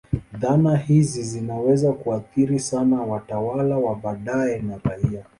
Dhana hizi zinaweza kuathiri sana watawala wa baadaye na raia.